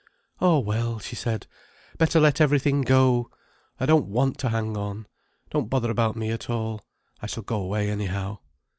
"Oh well!" she said. "Better let everything go. I don't want to hang on. Don't bother about me at all. I shall go away, anyhow."